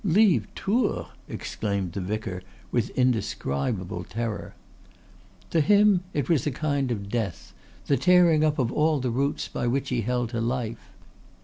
"Leave Tours!" exclaimed the vicar, with indescribable terror. To him it was a kind of death; the tearing up of all the roots by which he held to life.